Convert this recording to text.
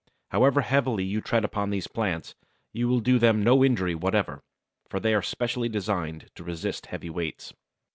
However heavily you tread upon these plants, you will do them no injury whatever, for they are specially designed to resist heavy weights.